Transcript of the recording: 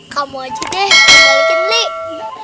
kamu aja deh yang balikin li